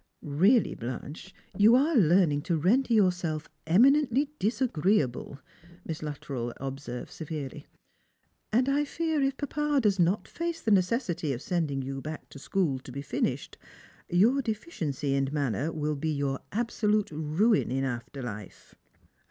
"Really, Blanche, you are learning to render yourself eminently disagreeable," Miss Luttrell observed severely, " and I fear if papa does not face the necessity of sending you back to school to be finished, your deficiency in manner will be your absolute ruin in after life."